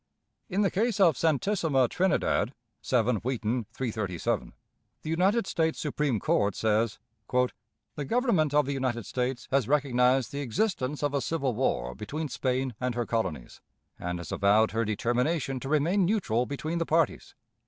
In the case of the Santissima Trinidad (7 Wheaton, 337), the United States Supreme Court says: "The Government of the United States has recognized the existence of a civil war between Spain and her colonies, and has avowed her determination to remain neutral between the parties.